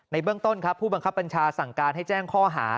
เบื้องต้นครับผู้บังคับบัญชาสั่งการให้แจ้งข้อหา